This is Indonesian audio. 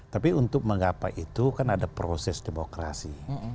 tapi untuk mengapa itu kan ada proses demokrasi